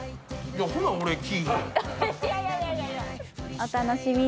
お楽しみに。